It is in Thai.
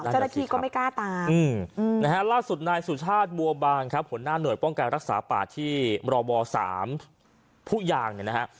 เจ้าหน้าที่ก็ไม่กล้าตามนะฮะล่าสุดนายสุชาติบัวบางครับหัวหน้าหน่วยป้องกันรักษาป่าที่มรบ๓ผู้ยางเนี่ยนะฮะ